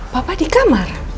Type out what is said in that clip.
papa di kamar